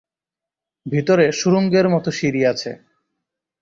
ভিতরে সুড়ঙ্গের মত সিঁড়ি আছে।